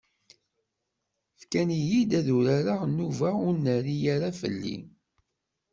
Fkan-iyi-d ad d-urareɣ nnuba ur nerri ara fell-i.